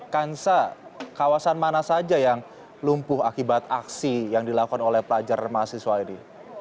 kansa kawasan mana saja yang lumpuh akibat aksi yang dilakukan oleh pelajar mahasiswa ini